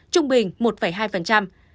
trung bình một hai